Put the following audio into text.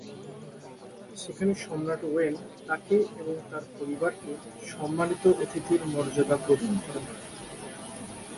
সেখানে সম্রাট ওয়েন তাকে এবং তার পরিবারকে সম্মানিত অতিথির মর্যাদা প্রদান করেন।